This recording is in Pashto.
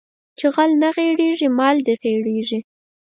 چې غل نه غېړيږي مال دې غېړيږي